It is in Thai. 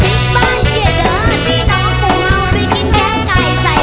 บิ๊กบ้านเชียดเตอร์พี่น้องหมู่เอาไปกินแค่ไก่